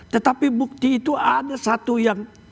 tetapi bukti itu ada satu yang